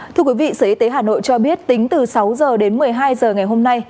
thưa quý vị sở y tế hà nội cho biết tính từ sáu h đến một mươi hai h ngày hôm nay